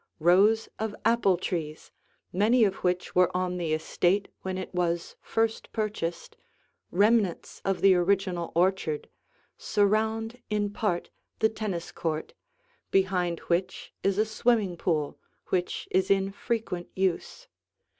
Rows of apple trees, many of which were on the estate when it was first purchased, remnants of the original orchard, surround in part the tennis court, behind which is a swimming pool which is in frequent use.